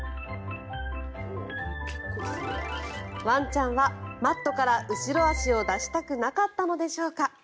ワンちゃんはマットから後ろ足を出したくなかったのでしょうか。